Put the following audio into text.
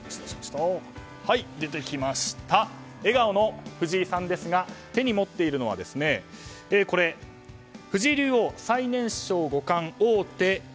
笑顔の藤井さんですが手に持っているのはこれ、藤井竜王最年少五冠王手。